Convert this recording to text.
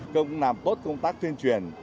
công làm tốt công tác tuyên truyền